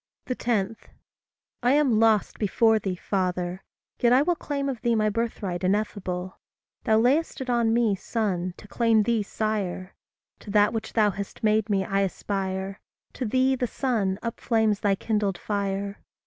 10. I am lost before thee, Father! yet I will Claim of thee my birthright ineffable. Thou lay'st it on me, son, to claim thee, sire; To that which thou hast made me, I aspire; To thee, the sun, upflames thy kindled fire.